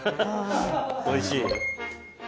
おいしい？